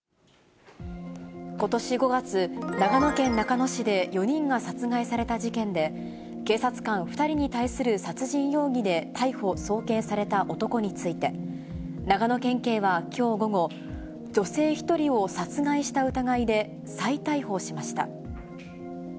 ことし５月、長野県中野市で４人が殺害された事件で、警察官２人に対する殺人容疑で逮捕・送検された男について、長野県警はきょう午後、女性１人を殺害した疑いで再逮捕しました。